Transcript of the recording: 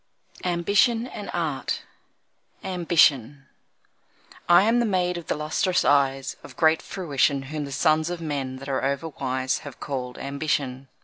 Ambition and Art Ambition I am the maid of the lustrous eyes Of great fruition, Whom the sons of men that are over wise Have called Ambition.